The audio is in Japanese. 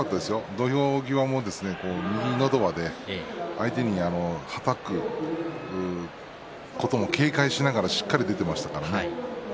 土俵際も右のど輪で相手にはたくことも警戒しながらしっかり残していましたからね。